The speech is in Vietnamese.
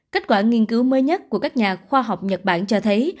kết quả nghiên cứu mới nhất của các nhà khoa học nhật bản cho thấy